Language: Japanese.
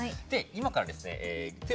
今からですね